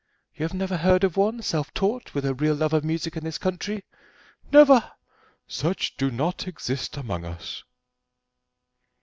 "You have never heard of one, self taught, with a real love of music in this country?" "Never: such do not exist among us."